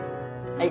はい。